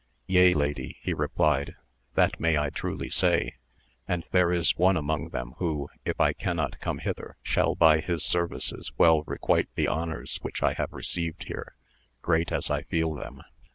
Yea lady, he re plied, that may I truly say, and there is one among them who, if I cannot come hither, shall by his services well requite the honours which I have received here, great as I feel them.